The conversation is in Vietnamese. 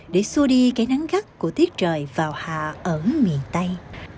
để xua đi cái nắng gắt của tiết trời vào hạ ẩn miền tây